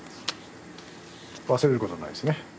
忘れることないですね？